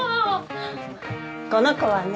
この子はね。